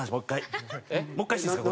もう１回していいですか？